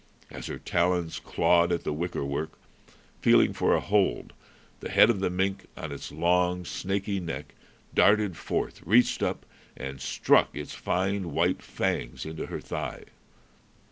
As her talons clawed at the wickerwork, feeling for a hold, the head of the mink, on its long, snaky neck, darted forth, reached up, and struck its fine white fangs into her thigh.